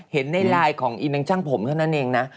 เห็นในไลน์ของอีเมนช่างผมเท่านั้นเองนะ